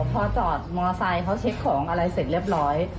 พอจอดมอไซค์เขาเช็คของอะไรเสร็จเรียบร้อย